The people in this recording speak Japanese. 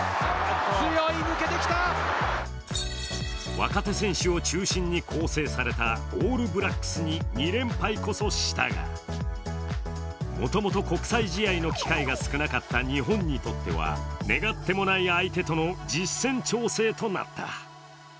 若手選手を中心に構成されたオールブラックスに２連敗こそしたが、もともと国際試合の機会が少なかった日本にとっては願ってもない相手との実戦調整となった。